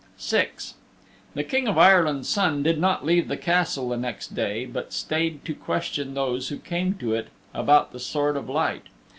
VI The King of Ireland's Son did not leave the Castle the next day, but stayed to question those who came to it about the Sword of Light.